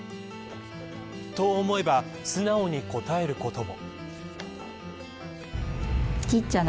と思えば素直に答えることも。